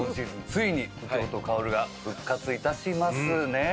ついに右京と薫が復活いたしますね。